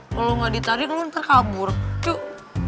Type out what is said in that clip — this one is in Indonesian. kalau gak ditarik lo ntar kabur yuk